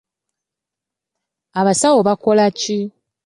Abasawo bakola ki?